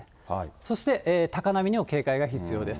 そして高波にも警戒が必要です。